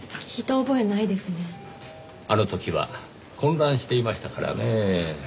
あの時は混乱していましたからねぇ。